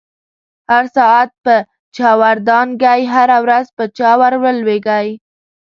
هر ساعت په چاور دانگی، هره ورځ په چا ورلویږی